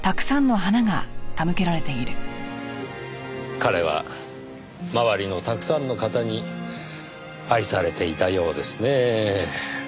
彼は周りのたくさんの方に愛されていたようですねぇ。